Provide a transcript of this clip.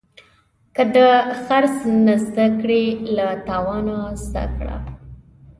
که د خرڅ نه زده کړې، له تاوانه زده کړه.